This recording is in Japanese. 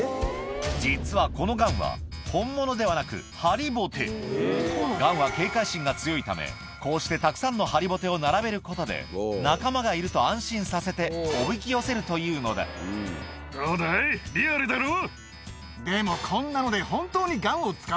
実はこのガンは本物ではなくガンは警戒心が強いためこうしてたくさんのハリボテを並べることで仲間がいると安心させておびき寄せるというのだでも。